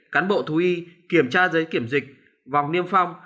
cán bộ thú y kiểm tra giấy kiểm dịch vòng niêm phong